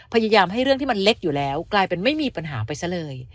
พยายามให้เรื่องที่มันเล็กอยู่แล้วกลายเป็นไม่มีปัญหาไปซะเลย